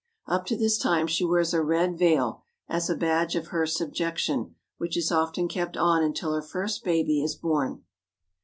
Up to this time she wears a red veil, as a badge of her subjection, which is often kept on until her first baby is born.